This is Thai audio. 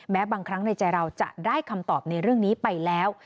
บางครั้งในใจเราจะได้คำตอบในเรื่องนี้ไปแล้ว